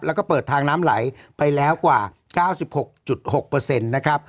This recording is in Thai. แล้วก็เปิดทางน้ำไหลไปแล้วกว่าเก้าสิบหกจุดหกเปอร์เซ็นต์นะครับ